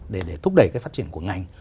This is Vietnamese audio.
để thúc đẩy phát triển của ngành